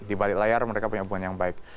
di balik layar mereka punya hubungan yang baik